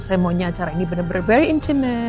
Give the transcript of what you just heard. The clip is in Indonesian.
saya maunya acara ini benar benar intimate